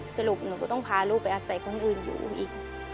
สรุปหนูก็ต้องพาลูกไปอาศัยคนอื่นอยู่อีก